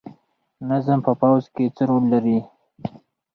نظم په پوځ کې څه رول لري؟